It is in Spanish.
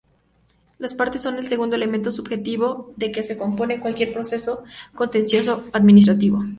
Las partes son el segundo elementos subjetivo de que se compone cualquier proceso contencioso-administrativo.